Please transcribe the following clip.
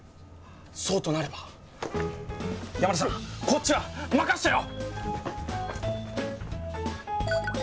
そうとなれば山田さんこっちは任せたよ！